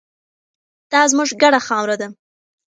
دا زموږ ګډه خاوره ده.